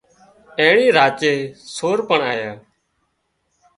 اينڻي راچي سور پڻ آيا